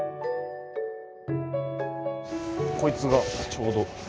こいつがちょうど。